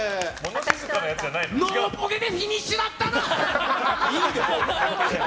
ノーボケでフィニッシュだったな！